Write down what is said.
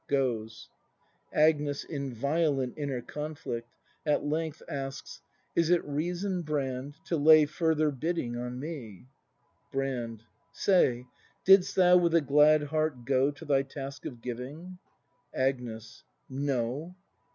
[Goes. Agnes. [In violent inner conjiict; at length asks.] Is it reason, Brand, to lay Further biddipg on me ? Brand. Say, Didst thou with a glad heart go. To thy task of giving ? Agnes. No.